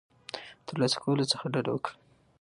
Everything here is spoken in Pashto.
او ترلاسه کولو څخه ډډه وکړه